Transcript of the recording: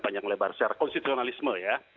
panjang lebar secara konstitusionalisme ya